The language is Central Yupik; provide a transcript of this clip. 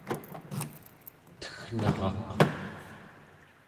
teggneraq